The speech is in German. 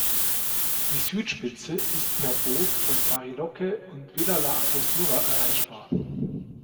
Die Südspitze ist per Boot von Bariloche und Villa la Angostura erreichbar.